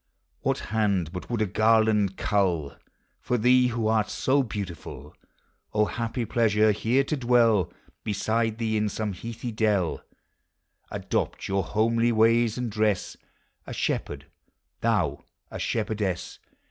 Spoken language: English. What baud but would a garland cull Tor thee who art so beautiful? O happy pleasure! here to dwell tteside thee in some heathy dell ; Adopt your homely ways and dress, A shepherd, thou a shepherdess!